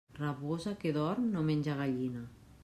Rabosa que dorm, no menja gallina.